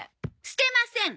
捨てません！